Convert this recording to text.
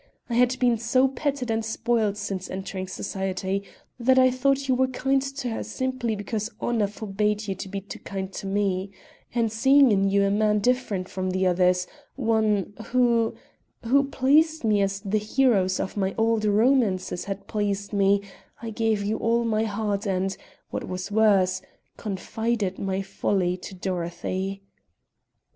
I had been so petted and spoiled since entering society that I thought you were kind to her simply because honor forbade you to be too kind to me; and seeing in you a man different from the others one who who pleased me as the heroes of my old romances had pleased me, I gave you all my heart and, what was worse, confided my folly to Dorothy.